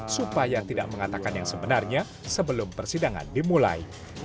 supaya tidak mengatakan yang sebenarnya sebelum persidangan dimulai